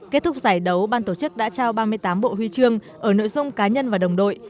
kết thúc giải đấu ban tổ chức đã trao ba mươi tám bộ huy chương ở nội dung cá nhân và đồng đội